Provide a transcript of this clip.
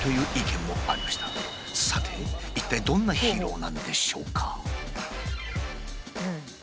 さて一体どんなヒーローなんでしょうか？